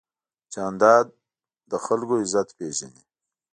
جانداد د خلکو عزت پېژني.